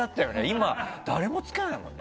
今、誰もつけないよね。